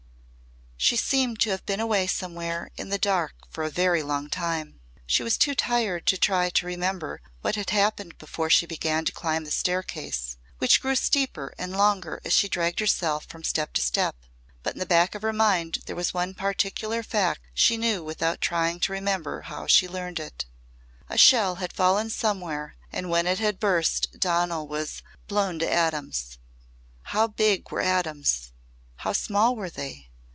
She seemed to have been away somewhere in the dark for a very long time. She was too tired to try to remember what had happened before she began to climb the staircase, which grew steeper and longer as she dragged herself from step to step. But in the back of her mind there was one particular fact she knew without trying to remember how she learned it. A shell had fallen somewhere and when it had burst Donal was "blown to atoms." How big were atoms how small were they?